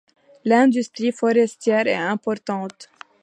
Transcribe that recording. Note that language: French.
L'industrie forestière est importante.